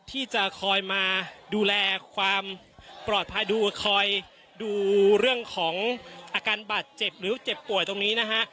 ที่จะคอยมาดูแลความปลอดภัยดูคอยดูเรื่องของอาการบาดเจ็บหรือเจ็บป่วยตรงนี้นะฮะ